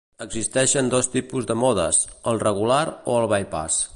Existeixen dos tipus de modes: el regular o el bypass.